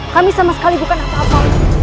kami sama sekali bukan apa apa